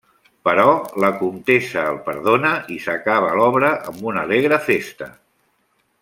Però la comtessa el perdona i s'acaba l'obra amb una alegre festa.